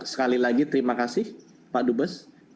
sekali lagi terima kasih pak duta besar jepang